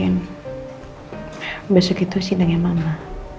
mungkin besok itu sih dengan mama